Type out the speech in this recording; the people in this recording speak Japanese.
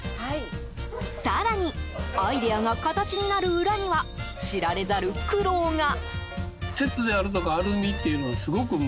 更に、アイデアが形になる裏には知られざる苦労が。